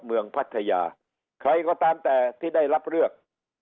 ในเมืองภัทยาใครก็ตามแต่ที่ได้รับเลือก